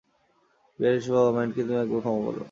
বিহারী, এসো বাবা, মহিনকে তুমি একবার ক্ষমা করো।